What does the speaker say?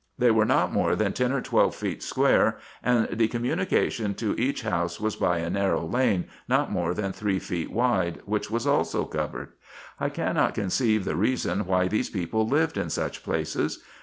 They were not more than ten or twelve feet square, and the communication to each house was by a narrow lane, not more than three feet wide, which was also covered. I cannot conceive the reason why these people lived in such places.